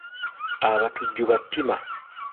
Abatujju battima